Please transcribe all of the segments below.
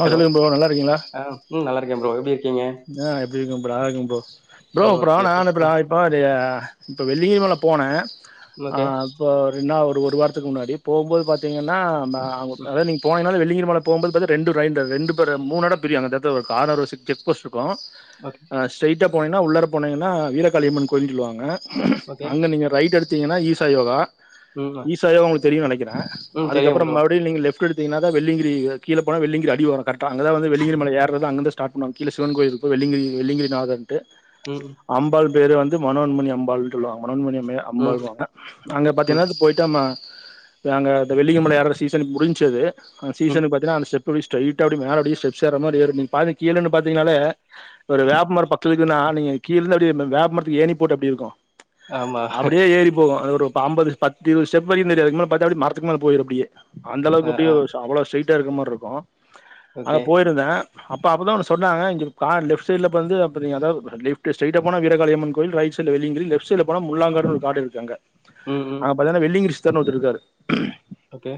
ஆ hello சொல்லுங்க bro நல்லா இருக்கீங்களா ஆ ம் நல்லார்க்கே ப்ரோ எப்டி இருக்கீங்க ஆ எப்டி இருக்கம் ப்ரோ ஆ இருக்க ப்ரோ ப்ரோ அப்ற ஓகே ப்ரோ நானு ஆ இப்பலாய் ப்ரோ அது இப்ப வெள்ளிகிரி மல போன ஆ ஓகே இப்போ இன்னா ஒரு ஒரு வாரத்துக்கு முன்னாடி போகும்போது பாத்தீங்கன்னா நா ம் குட்தாத நீங் போனிங்னா வெள்ளிங்கிரி மல போம்போது ரெண்டு ரைட்டது ரெண்டு பேர மூணெட பிரியு அந்த எட்துல ஒரு கார்னரு ஒரு செக் போஸ்ட் இருக்கு ஓகே அ ஸ்ரைட்ட போனீங்கனா உள்ளர போனீங்கன்னா வீரகாளியம்மன் கோயில் சொல்லுவாங்க ஓகே அங்க நீங்க ரைட்டு எடுத்தீங்கன்னா ஈசா யோகா ம் ஈசா யோகா உங்களுக்கு தெரியு நெனைக்கிறே ம் தெரியு அதுக்கப்பறம் ப்ரோ மறுபிடியு நீங்க லெப்ட் குடுத்தீங்கனதா வெள்ளியங்கிரி கிழ போன வெள்ளியங்கிரி அடி ஓரம் கர்டா அங்கதா வந்து வெள்ளியகிரி மலை ஏற்றது அங்கந்து ஸ்டாட் பண்ணுவ கீழ சிவன் கோயிலுப்பா வெள்ளங்கிரி வெள்ளிங்கிரிநாதன்ட்டு ம் அம்பாள் பேரு வந்து மனோன்மணி அம்பாள்னு சொல்லுவாங்க மனோன்மணியம்மே ம் அம்பாள் வாங்க அங்க ம் பாத்தீங்கன்னா அது போய்ட்டம்ம அங்க இந்த வெள்ளியகிரி மலை ஏற்ற சீசன் முடிஞ்சது அ ம் சீசனுக்கு பாத்தினா அந்த ஸ்டப் அப்டி ஸ்ரைட்ட அப்டி மேல அப்டி ஸ்டேப்ஸ் ஏற மாரி இருக்கு நீங் பாத்திங் கிழ நின்னு பாத்தீங்னாலே ஒரு வேப் மரோ பக்கத்துல நின்னா நீங்க கீழேந்து அப்டியே வேப்பமரத்துக்கு ஏணி போட்ட எப்டி இருக்கு ஆமா அப்டியே ஏறி போகு அது ஒரு அம்பது பத்து இருவது ஸ்டெப் வரையு தெரியு அதுக்கு மேல பாத்தா அப்டே மரத்துக்கு மேல போயிரு அப்டியே அந்த அளக்கு ஆ அப்டியே ஆ அவ்வள ஸ்ரெயிட்டா இருக்க மார்ருக்கு அங்க ஓகே போயிருந்தே அப்ப அப்பதா சொன்னாங்க இங்க கார் லெப்ட் சைடுல வந்து அப்ப நீங்க அதாவது லெப்ட் ஸ்ரெயிட்டா போன வீரகாளியம்மன் கோயில் ரைட் சை டுல வெள்ளயங்கிரி லெப்ட் சைடுல போன முள்ளாங்காடுனு ஒரு காடு இருக்கு அங்க ம் ம் அங்க பாத்தீங்கனா வெள்ளயங்கிரி சித்தர்னு ஒருத்தர் இருக்காரு ஓகே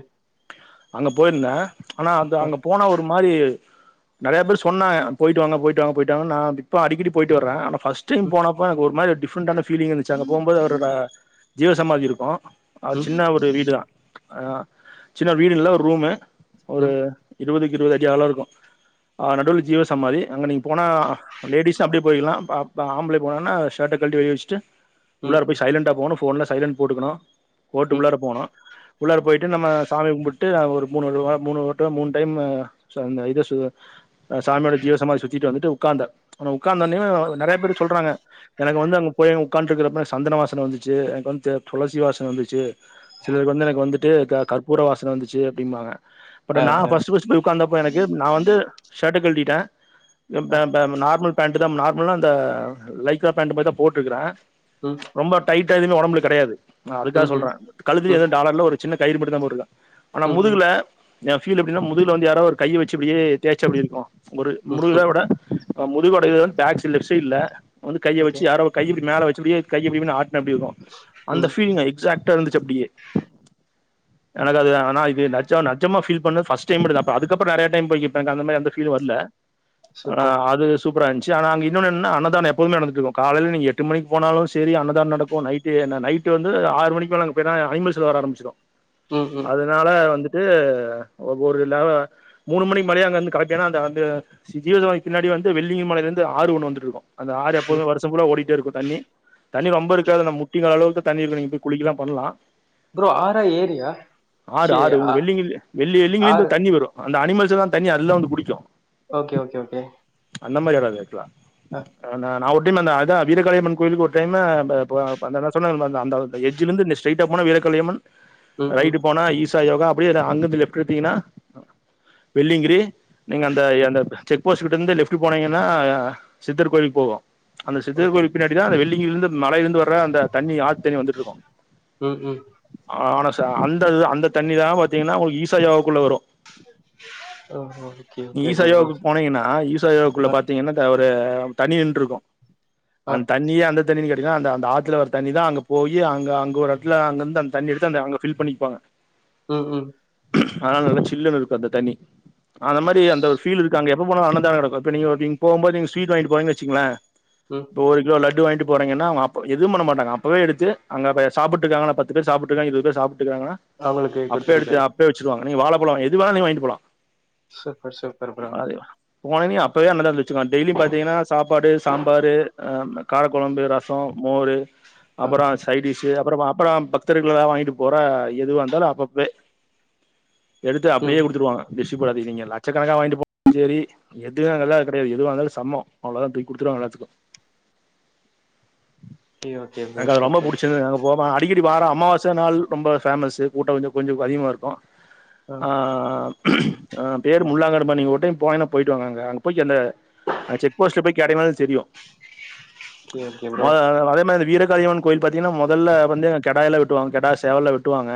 அங்க போயிருந்தே ஆனா அந்த ஆ அங்க போனா ஒரு மாரி நெறைய பேர் சொ சொன்னாங்க போயிட்டு வாங்க போயிட்டு வாங்க போயிட்டு வாங்கா நா இப்ப அடிக்கடி போயிட்டு வர்றே ஃபர்ஸ்ட் டைம் ம் போனப்போ எனக்கு ஒரு மாதிரி டிப்ரெண்ட்டான பீலிங் இருந்துச்சு அங்க போம்போது அவரோட ஜீவ சமாதி இருக்கு அவரு ம் சின்ன ஒரு வீடுதா ஆ சின்ன வீடு இல்ல ஒரு ரூமு ஒரு ம் இருவதுக்கு இருவது அடி ஆழ இருக்கு ஆ நடுவுல ஜீவ சமாதி அங்க நீங்க போனா லேடிஸ்ன அப்டியே போயிக்கலா ப பா ஆம்பளைக போனா ஷர்ட கழட்டி வெளிய வச்சிட்டு ம் உள்ளார ம் போய் சைலண்டா போணு போன்ல சைலன்ட் போட்டுக்கணு போட்டு ம் உள்ளார போணு உள்ளார போய்ட்டு நம்ம சாமி கும்புட்டு ஒரு மூணு மூணு வட் மூணு டைமு சோ அந்த இது சு சாமியோட ஜீவ சமாதி சுத்திட்டு வந்துட்டு உட்காந்தோ உட்காந்தவுனே நெறைய பேர் சொல்றாங்க எனக்கு வந்து அங்க போய் அங்க உட்காண்டு இருக்கறப்ப சந்தன வாசன வந்துச்சு எனக்கு வந்து துளசி வாசன வந்துச்சு சிலருக்கு வந்து எனக்கு வந்துட்டு க கற்பூர வாசன வந்துச்சு அப்டிம்பாங்க பட் ஆ நா ஆ ஃபர்ஸ்ட் ஃபர்ஸ்ட் போய் உக்காந்த அப்போ எனக்கு நா வந்து ஷர்ட்டா கழுட்டிடே என் ஆ பேண் பே நார்மல் பேண்ட் தா நார்மலா அந்த லைக்ரா பேண்ட் மாரி தா போட்ருக்கற ம் ரொம்ப டைட்டா எதுமே ஒடம்பல கெடையாது நா அதுக்காக ம் ம் சொல்ற கழுத்தலயும் ம் ஏது டாலர் இல்ல ஒரு சின்ன கயிரு மட்டு தா போட்டுருக்க ஆனா ம் முதுகுல என் ஃபீல் எப்டின்னா முதுகுல வந்து யாரோ ஒரு கைய வச்சு இப்டியே தேய்ச்சா எப்டி இருக்கு ஒரு ம் முருகர ம் விட முதுகரோடய டேக் லெப்ட் சைடுல வந்து கைய ஓகே வச்சு யாரோ கை இப்டி மேல வச்சு இப்டியே கைய இப்டி இப்டின்னு ஆட்ன எப்டி இருக்கு அந்த ம் பீலிங் எக்ஸட்டா இருந்துச்சு அப்டியே எனக்கு அது ஆன இது நெஜ நெஜமா ஃபீல் பண்ணது ஃபர்ஸ்ட் டைம் மட்டுந்தா அதுக்கப்பற நெறைய டைம் போயி எனக்கு அந்த மாரி எந்த பீலியு வர்ல ஆனா சூப்பர் அது சூப்பர இன்ச்சு ஆன அங்க இன்னொன்னு என்னான அன்னதான எப்போமே நடந்துட்டு இருக்கு காலைல நீங்க எட்டு மணிக்கு போனாலு சேரி அன்னதான நடக்கு நைட் ட்டு நா நைட்டு வந்து ஆறு மணிக்கு மேல அங்க போனா அணிமல்ஸ் வர ஆரம்பிச்சிரு ம் ம் அதனால வந்துட்டு ஒவ்வொரு லவ மூணு மணிக் முன்னாடியே அங்கருந்து களப்பி ஆனா அந்து ஜீவ சமாதிக்கு பின்னாடி வந்து வெள்ளயங்கிரி மலைலருந்து ஆறு ஒன்னு வந்துட்டுருக்கு அந்த ஆறு ம் எப்போதுமே வரு சம் ஃபுல்ல ஓடிட்டே இருக்கு தண்ணி தண்ணி ரொம்ப இருக்காது நம் முட்டி கால் அளவுக்கு தண்ணி இருக்கு நீங்க போய் குளிக்கலா பண்லா ப்ரோ ஆறா ஏரியா ஆறு ச்சீ ஆறு உங்க ஆ வெளிங் வெள்ளி எல்லிங்ருந்து ஆறு தண்ணி வரும் அந்த அணிமல்ஸ் எல்லா தண்ணி அதுல்லா தா வந்து குடிக்கு ஓகே ஓகே ஓகே அந்த மாரி வராது ஆக்சுவலா ஆ அ நா நா ஓ டின் அத வீரகாளியம்மன் கோயிலுக்கு ஒரு டைம் பா இப்போ பா அந்த நா சொன்னேன்ல அந்த அந்த எட்ஜலருந்து ஸ்ட்ரியிட்ட போன வீரகாளியம்மன் ம் ரைட்டு ம் போனா ஈசா யோகா அப்டியே அங்கிருந்து லெப்ட் எடுத்தீங்கன்னா வெள்ளிங்கிரி நீங்க அந்த ஓகே அந்த செக் செக் போஸ்ட்கிட்ட இருந்து லெப்ட் போனீங்கன்னா சித்தர் கோயில் போகு அந்த சித்தர் ஓகே கோயில்க்கு பின்னா டி தா அந்த வெள்ளிங்கிரில இருந்து மழையில இருந்து வர அந்த தண்ணி ஆத்து தண்ணி வந்துட்டுருக்கு ம் ம் ஆனா அந்த அந்த தண்ணிதா பாத்தீங்கன்னா உங்களுக்கு ஈசா யோகக்குள்ள வரு ஓ ஓகே ஈசா ஓகே ப்ரோ யோக்கு போனீங்கன்னா ஈசா ஆ யோகக்குள்ள பாத்தீங்கன்னா அ ஒரு தண்ணி நின்ட்ருக்கு ஆ அந்த தண்ணி அந்த தண்ணினி கேட்டிங்கனா அந்த அந்த ஆத்துல வறதண்ணி தா அங்க போய் அங்க அங்க ஒரு எடத்துல அங்கருந்து அந்த தண்ணி எடுத்து அங்க ஃபிள் பண்ணிப்பாங்க ம் ம் ஆனா நல்ல சில்லன்னு இருக்கு அந்த தண்ணி அந்த மாரி அந்த ஒரு ஃபீல் இருக்கு அங்க எப்போனலு அன்னதான நடக்கு இப்ப நீங்க போகு போது ஸ்விட் வாங்கிடு போனீங்க வச்சீங்களே ம் இப்ப ஒரு கிலோ லட்டு வாங்கிட்டு போறிங்கன்னா அப்ப எது பண்ண மாட்டாக அப்பவே எடுத்து அங்க சாபுட்டு இருக்காங்கள பத்து பேர் சாபுட்டு இருக்கா இருவது பேர் சாப்பிட்டு இருக்காகன அவங்களுக்கு அப்பவே குடுத்துருது எடுத்து அப்வே வச்சுருவாங்க நீங்க வாழபழ எது வேனா நீங்க வாங்கிட்டு போலா சூப்பர் சூப் [unintelligible] போனோனே அப்பவே நீ [unintelligible] வச்சுக்களா டெய்லியும் பாத்தீங்கன்னா சாப்பாடு சாம்பாரு அம் காரக்கொழம்பு ரசோ மோரு ஆ அப்பற சைடிஷ்சு அப்பற அப்பற பக் பக்தர்கள் எதா வாங்கிட்டு போற எதுவா இருந்தாலு அப்பப்பவே எடுத்து ம் அப்படியே குடுத்துருவாங்க டிஷி பாதி நீங்க லட்சக்கணக்காக வாங்கிட்டு [inaudible] செரி எது அங்கல்லா கெடையா எதுவா இந்தாலு சமோ அவ்ளோதா தூக்கி குடுத்துருவாங்க எல்லாத்துக்கு ஓக்கே ஓக்கே ப்ரோ சூப்பர் போவமா அடிக்கடி வார அமாவாச நாள் ரொம்ப ஃபேமஸ்சு கூட்ட வந்து கொஞ்ச அதிகமாருக்கு ஆ ஆ பேர் முள்ளாங்காடு மா நீங்க ஒருடைம் போனீங்னா போயிட்டு வாங்க அங்க அங்க போயிக்கு அந்த அ செக் போஸ்ட்ல போய் கேட்டங்னாலே தெரியு ஓகே ஓகே மொ ப்ரோ அதே மாதி வீரகாளியமன் கோயில் பாத்தீங்னா மொதல்ல வந்து அங் கெடாய்லா வெட்டுவாங்க கெடா சேவல்லா வெட்டுவாங்க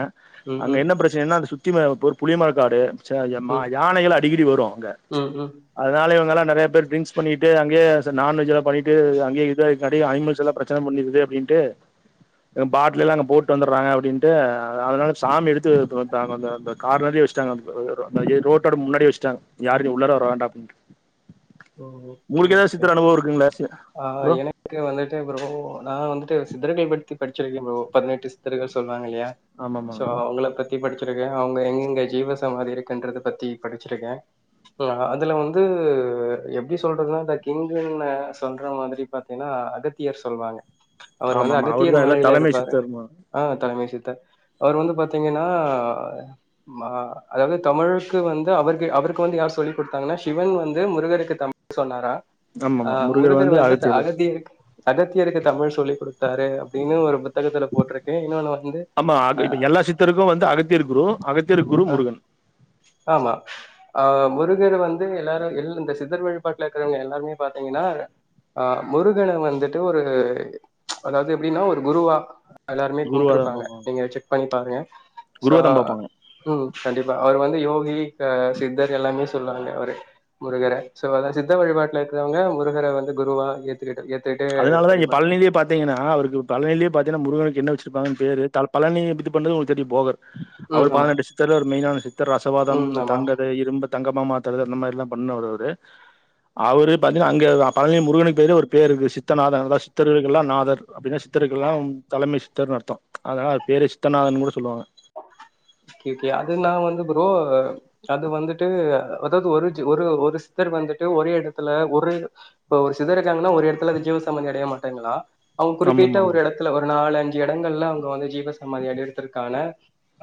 ம் அங்க ம் என்ன பிரச் சனனா அத சுத்தி ம ஒரு புளிய மரக்காடு ச எம் அ ம் யானைகள் அடிகடி வரு அங்க ம் ம் அதனால இவங்கல்லா நெறைய பேர் டிரி்ங்ஸ் பண்ணிட்டு அங்கயே ச நான்வெஜ் எல்லாபண்ணிட்டு அங்கயே இதா இக்காட்டி அனிமல்ஸ்ல்லா பிர ச்சன பண்ணிருது அப்டின்டு இவ்ங் பாட்லல்லா அங்க போட்டு வந்தர்றாங்க அப்டின்ட்டு அதனால சாமி எடுத்து பு பெ அந்த அந்த கார்னரயே வச்ட்டாங்க ப் ரோட்டோட முன்னாடியே வச்சட்டாங்க யாருமே உள்ளேற வர வேண்டா அப்டின்டு ம் ஓகே உங்களுக்கு ஏதாது சித்தர் அனுபவ இருக்குங்ளா [unintelligible] ப்ரோ இக்கு வந்துட்டு ப்ரோ நா வந்துட்டு சித்தர்கள் பத்தி படிச்சிருக்கே ப்ரோ பதினெட்டு சித்தர்கள் சொல்லுவாங்க இல்லையா ஆமாமா சோ அவுங்கள பத் தி படிச்சிருக்கே அவுங்க எங்கெங்க ஜீவசமாதி இருக்குன்றத பத்தி படிச்சிருக்கே லா அதுல வந்து எப்படி சொல்றதுன்னா த கிங்குன்னா சொல்ற மாதிரி பாத்தீங்கன்னா அகத்தியர் சொல்வாங்க அவர் வந்து ஆமாமா அவர் அகத்தியர் தா எல்லா மலைல தலைமை இருப்பாரு சித்தர்மா ஆதலைமை சித்தர் அவரு வந்து பாத்தீங்கன்னா மா அதாவது தமிழுக்கு வந்து அவருக்கு அவருக்கு வந்து யார் சொல்லி் குடுத்தாங்னா சிவன் வந்து முருகருக்கு த [inaudible] சொன்னாரா ஆ முருகர் வந்து அகத்தியருக் அகத்தியருக்கு தமிழ் சொல்லிக் குடுத்தாரு அப்டின்னு ஒரு புத்தகத்துல போட்ருக்கு இன்னொன்னு வந்து ஆமா அக இப்ப எல்லா சித்தருக்கு வந்து அகத்தியர் குரு அகத்தியர்க்கு குரு அ முருகன் ஆமா ஆ முருகர் வந்து எல்லாரு எல் இந்த சித் தர் வழிபாட்ல இருக்றவங்க எல்லாருமே பாத்தீங்கன்னா ஆ முருகன வந்துட்டு ஒரு அதாவது எப்டின்னா ஒரு குருவா எல்லாருமே குருவாதா கும்ப்ட்ருப்பாங்க பாப்பாங்க நீங்க செக் பண்ணி பாருங்க சோ குருவாதா பாப்பாங்க ம் கண்டிப்பா அவர் வந்து யோகி க சித்தர் எல்லாமே சொல்லுவாங்க அவரு முருகர சோ அதா சித்த வழிபாட்டுல இருக்கிறவங்க முருகர வந்து குருவா ஏத்துக்கிட்டு ஏத்துக்கிட்டு வழிபா த்திங்னா அவருக்கு பழனில பாத்தினா முருகனுக்கு என்ன வச்சிருப்பாங்கன் ‌ பேரு த பழனி இது பண்ணது உங்ளுக்கு தெரியு போகர் ம் அவர் ஆமா. பதினெட்டு சித்தர்ல ஒரு மெயினான சித்தர் ரசவாதம் ம் இந்த ஆமா. தங்கது இரும்பத் தங்கமா மாத்தறது அந்த மாரிலா பண்ணவரரு அவரு அவரு பாத்தீங்ன்னா அங்க அ பழனி முருகனுக்கு பதிலா ஒரு பேரு இருக்கு சித்தநாத அதா சித்தர்களுக்கெல்லா நாதர் அப்டின்னா சித்தருகெல்லாம் தலைமை சித்தர் அர்த்தோ அதனா அது பேரே சித்தநாதன் கூட சொல்லுவாங்க கேக்கே அது நாங்க வந்து ப்ரோ அது வந்துட்டு அதாவது ஒரு ஒரு ஒரு சித்தர் வந்துட்டு ஒரே எடத்துல ஒரு இப்ப ஒரு சிதர் இருக்காங்ன்னா ஒரு எடத்துல அது ஜீவ சமாதி அடைய மாட்டாங்ளா அவுங்க குறிப்பிட்ட ஆமாமா ஒரு ஆமா எடத்துல ஒரு நாலு அஞ்சு எடங்கள்ல அவுங்க வந்து ஜீவ சாமதி அடயற்த்துக்கான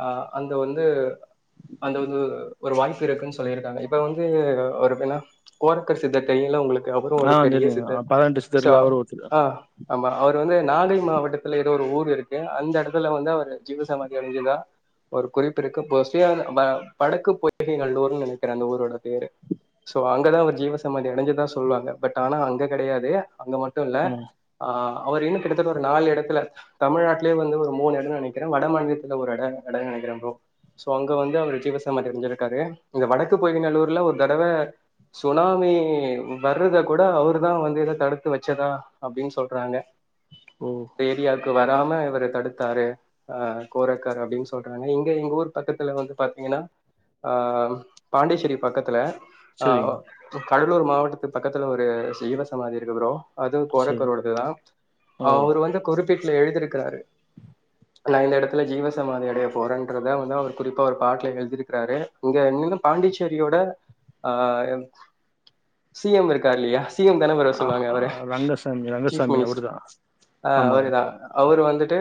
ஆ அங்க வந்து அந்த வந்து ஒரு வாய்ப்பு இருக்குன் சொல்லிருக்காங்க இப்ப வந்து ஒரு எப்னா கோரக்கர் சித்தர் தெரியுல உங்களுக்கு அவரு ஆ பெரிய தெரியு சித்தர் பதினெட்டு சோ சித்தர்ல அவரு ஒருத்தரு அ ஆமா அவரு வந்து நாகை மாவட்டத்துல ஏதோ ஒரு ஊர் இருக்கு அந்த எடத்துல வந்து அவரு ஜீவசமாதி அடஞ்சதா ஒரு குறிப்பு இருக்கு போஸ்ட்லி அது வ வடக்கு பொய்கை நல்லூர்ன்னு நெனைக்கறே அந்த ஊரோட பேரு சோ அங்கதா அவரு ஜீவ சமாதி அடஞ்சதா சொல்வாங்க பட் ஆனா அங்க கெடையாது அங்க மட்டு இல்ல ஆமா ஆ அவர் இன்னு கிட்டத்தட்ட ஒரு நாலு எடத்துல தமிழ்நாட்லே வந்து ஒரு மூண எடன்னு நெனக்கிறே வடமாநிலத்துல ஒரு எட எடன் நெனைகிற ப்ரோ சோ அங்க வந்து அவரு ஜீவசமாி அடஞ்சிருக்காரு இந்த வடக்கு போய நல்லூர்ல ஒர் தடவ சுனாமி வர்ருத கூட அவுர்தா வந்து எத தடுத்து வச்சதா அப்டீன் சொல்றாங்க ஓ ந்தஏரியாக்கு வராம இவுரு தடுத்தாரு அ கோரக்கர் அப்டி சொல்றாங்க இங்க எங்க ஊர் பக்கத்துல வந்து பாத்தீங்கன்னா அ பாண்டிசேரி பக்கத்துல அ செரிங்க கடலூர் மாவட்டத்துக் பக்கத்துல ஒரு சீவ சமாதி இருக்கு ப்ரோ அது செரி கோரக்கருவுடுதுதா ஓ அவருவந்து குறிப்பிட்ல எழுதிருக்கிறாரு நா இந்த எடத்துல ஜீவசமதி அடைய போறன்றதா வந்து அவுர் குறிப்பா ஒரு பாட்ல எழ்திருக்காரு இங்க என்னன்னா பாண்டிச்சேரியோட அ சி எம் இருக்கார்ல்லியா சி எம் தன ப்ரோ ஆ சொல்லுவாங்க ஆ அவுர ரங்கசாமி ரங்கசாமி சீஃப்மினிஸ்டர் அவருதா ஆ ஆமாங்க அவருதா அவுரு வந்துட்டு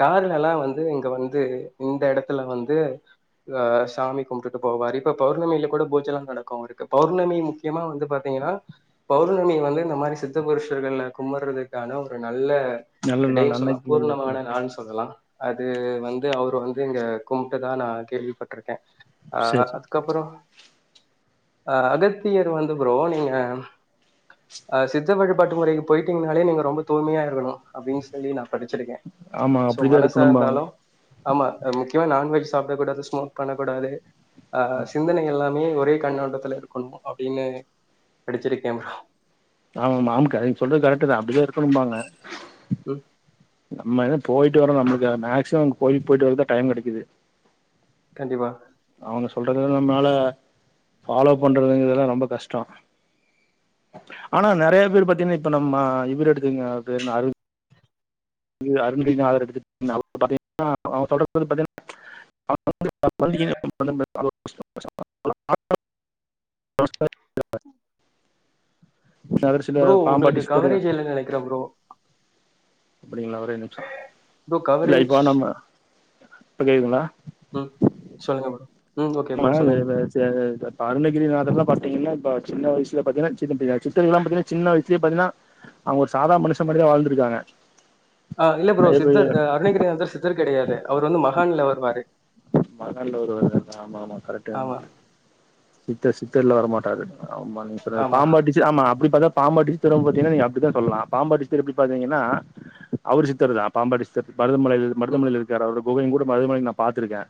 கார்லலெல்லா வந்து இங்க வந்து இந்த எடத்துல வந்து ஆ சாமி கும்ப்ட்டுட்டு போவாரு இப்ப பௌர்ணமியில கூட பூஜெல்லா நடக்கூ அவுருக்கு பௌர்ணமி முக்கியமா வந்துபாத்தீங்ன்னா பௌர்ணமி வந்து இந்த மாதரி சித்த புருஷர்கள கும்பர்றதுக்கான ஒரு நல்ல நல்ல அடே நாள் சொல்லா அன்னைக்கு பூர்ணமான நாள் சொல்லலா அது வந்து அவரு வந்து இங்க கும்ட்டதா நா கேள்விப்பட்ருக்கே ஆ சரி சரி கப்புற அ அகஸ்த்தியர் வந்து ப்ரோ நீங்க அ சித்த வழிபாட்டு முறைக்கு போய்ட்டீங்கனாலே நீங்க ரொம்ப தூயமையாருக்கணு அப்படின் சொல்லி நா படிச்சிருக்கே ஆமா சோ அப்டிதா இருக்கணும்பாங்க மனசார்ந்தாலு ஆம்மா முக்கியமா நான்வெஜ் சாப்டக்கூடாது ஸ்மோக் பண்ணக்கூடாது அ சிந்தனை எல்லாமே ஒரே கண்ணோடத்துல இருக்கணு அப்படின்னு படிச்சிருக்கே ப்ரோ ஆம் மாம் கரக் சொல்றது கரெக்ட் தா அப்படிதா இருக்கணும்பாங்க ம் நம்ம என்ன போய்ட் சுத்தி வரு நம்ப்க்குளுக்கு மேக்ஸிமம் கோயி போயிட்டு வருது டைம் கெடைக்குது கண்டிப்பா அவுங்க சொல்றத நம்பனால ஃபாலோ பண்றதுங்கதெல்லா ரொம்ப கஷ்டொ ஆனா நெறைய பேர் பாத்தீங்கன்னா இப்ப நம்ம இவரு எடுத்துங்க அவுர் பேரு என்ன அருட் ங்கு அருனாகிரநாதர் எடுத்து அவுரு பாத்தின்னா சொல்ரது பத்தின்னா [unintelligible] [unintelligible] தவுர்சில பாம்பாட்டச்சு சித்தரியு நெனக்கிற ப்ரோ புரியிலிங்லா ஒரே நிம்ச்ச ப்ரோ இல்ல இப்போ கவரேஜ் நம்ம இப்ப கேக்குதுங்களா ம் சொல்லுங்க ப்ரோ ம் ஓகே ம ப்ரோ தி சொல்லுங்க ப ச தப் அருனகிரிநாதர்ல்லா பாத்தீங்கன்னா ப்ப சின்ன வய்சுல ப பாத்தீங்கன்னா சீன்ன ப்ப சித்தர்கலாம் பாத்தீன்னா சின்ன வய்ஸ்லே பாத்தீங்கன்னா அவுங்க ஒரு சாதா மனுஷ மாரிதா வாழ்ந்திருக்காங்க ஆ இல்ல ப்ரோ பெரிய பெரிய சித்தர் அருணகிரி வந்து சித்தர் கிடையாது அவுர் வந்து மகான்லவருவாரு மகான்ல வருவாரு ஆம்மா ஆம்மா ஆமா, கரெக்ட்டுதா சித்த சித்தர்ல வரமாட்டாரு ஆம்மா நீங்க சொன்னது ஆமா. பாம்பாட்டி ஆம்மா அப்டிபாத்தா பாம்பாட்டி சித்தரு பாத்தீன்னா நீங்க அப்டிதா சொல்லலா பாம்பாட்டி சித்தர் இப்டி பாத்தீங்கன்னா அவுர் சித்தர்தா பாம்பாட்டி சித்தர் மருதமலையில் ம், மருதமலைல் இருக்கார் அவருட குகையுங்கூட மருதமலைல நா பாத்திருக்கே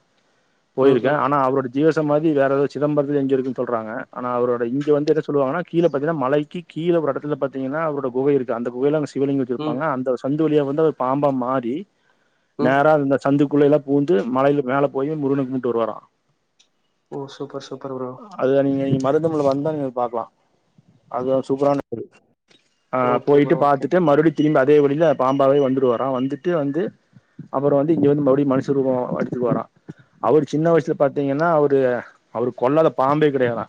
ம், போயிருக்கே ம், ஆனா அவருடை ஜீவசமாதி வேறெதோ சிதம்பரத்தில் எங்கேயோ இருக்குன்னு சொல்றாங்க ஆனா அவரோட இங்கேவந்து என்ன சொல்லவாங்கன்னா கீழ பார்த்தீங்கனா மலைக்கி கீழ ஒருஎடத்துல பாத்தீங்கன்னா அவுரோட குகைஇருக்கு அந்த குகைய்ல அவ்ங்க சிவலிங்கோ ம், வெச்சிருப்பாங்க அந்த சந்து வழியா வந்து அது பாம்பா மாறி ம். நேரா அந்த சந்துக்குள்ளயல்லா பூந்து மலையில மேல போயி முருகன கும்ட்டு வருவாரா ஓ சூப்பர் சூப்பர் ப்ரோ அத நீங்க மருதமல வந்தா நீங்க பாக்கலா அது சூப்பரான கோவில் ஆ ஓகே போயிட்டு ப்ரோ, ஓகே. பாத்துட்டு மறுபடி திரும்பி அதே வழில பாம்பாவே வந்துடுவாரா வந்துட்டு வந்து அப்புறோ வந்து இங்க வந்து மறுபடி மனுஷ ரூபோ எடுத்துக்குவாரா அவரு சின்ன வயசுல பாத்தீங்கன்னா அவரு அவரு கொல்லாத பாம்பே கிடையாதா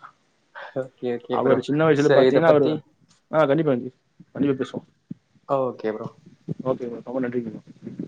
ஓகே, ஓகே ப்ரோ. அவரு சின்ன வயசுல சரி இத பாத்தீங்கன்னா அவரு பத்தி ஆ கண்டிப்பா [unintelligible] கண்டிப்பா பேசுவோ ஓகே ப்ரோ ஓகே ப்ரோ ரொம்ப நன்றிங்க ப்ரோ